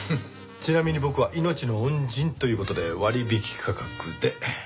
ちなみに僕は命の恩人という事で割引価格で。